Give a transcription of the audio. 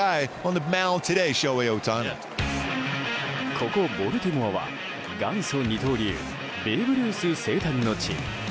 ここボルティモアは元祖二刀流ベーブ・ルース生誕の地。